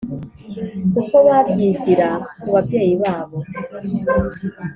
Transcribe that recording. kuko babyigira ku babyeyi babo.